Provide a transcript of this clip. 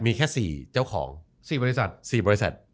มีแค่๔เจ้าของ๔บริษัท